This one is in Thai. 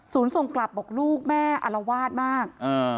ศูนย์ส่งกลับบอกลูกแม่อลวาดมาก